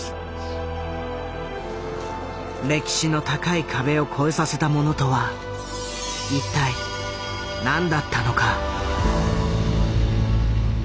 歴史の高い壁を越えさせたものとは一体何だったのか？